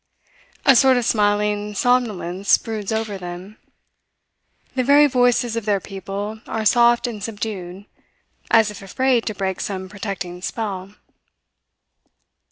A sort of smiling somnolence broods over them; the very voices of their people are soft and subdued, as if afraid to break some protecting spell.